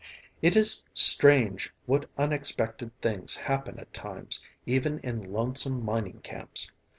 It is strange what unexpected things happen at times, even in lonesome mining camps.